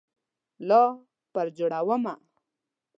لار پر جوړومه